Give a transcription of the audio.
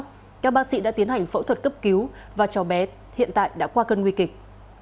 trước đó các bác sĩ đã tiến hành phẫu thuật cấp cứu và cho bé hiện tại đã qua cơn nguy kịch